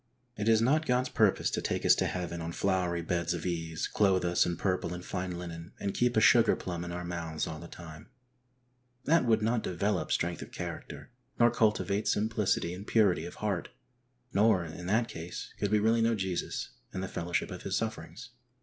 It is not God's purpose to take us to heaven on flowery beds of ease, clothe us in purple and fine linen, and keep a sugar plum in our mouths ail the time ; that would not develop strength of character, nor cultivate simplicity and purity of heart; nor in that case could we really know Jesus, and the fellowship of His sufferings.